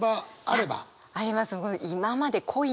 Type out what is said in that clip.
あります。